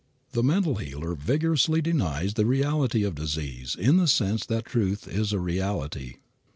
The mental healer vigorously denies the reality of disease in the sense that truth is a reality.